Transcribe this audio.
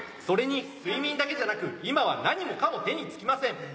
「それに睡眠だけじゃなく今は何もかも手に付きません」。